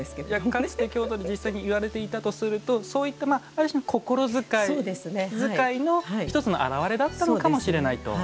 かつて京都で実際に言われていたとするとそういったある種の心遣い、気遣いの１つの表れだったのかもしれない。